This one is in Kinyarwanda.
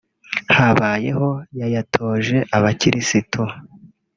habayeho yatoteje Abakristu